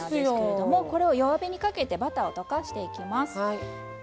弱火にかけてバターを溶かしていきます。